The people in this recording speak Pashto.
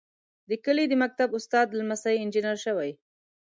د کلي د مکتب استاد لمسی انجنیر شوی.